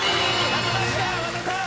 やりました和田さん。